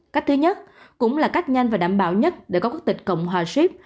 cách thứ nhất cũng là cách nhanh và đảm bảo nhất để có quốc tịch cộng hòa ship